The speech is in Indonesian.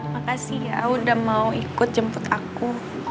makasih ya aku udah mau ikut jemput aku